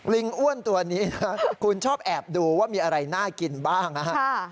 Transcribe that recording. อ้วนตัวนี้นะคุณชอบแอบดูว่ามีอะไรน่ากินบ้างนะฮะ